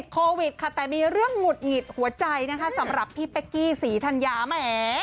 โควิดค่ะแต่มีเรื่องหงุดหงิดหัวใจนะคะสำหรับพี่เป๊กกี้ศรีธัญญาแหม